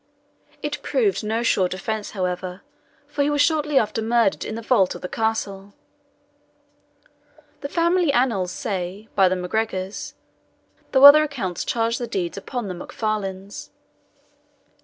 It proved no sure defence, however, for he was shortly after murdered in a vault of the castle, the family annals say by the MacGregors, though other accounts charge the deed upon the MacFarlanes.